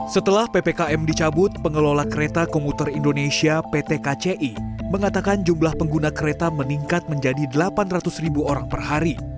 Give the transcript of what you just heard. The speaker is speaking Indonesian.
setelah ppkm dicabut pengelola kereta komuter indonesia pt kci mengatakan jumlah pengguna kereta meningkat menjadi delapan ratus ribu orang per hari